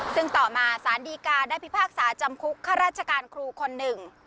ซึ่งต่อมาสารดีการได้พิพากษาจำคุกข้าราชการครูคนหนึ่ง